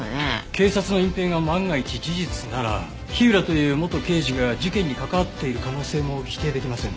警察の隠蔽が万が一事実なら火浦という元刑事が事件に関わっている可能性も否定できませんね。